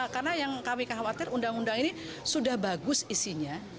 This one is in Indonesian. karena yang kami khawatir undang undang ini sudah bagus isinya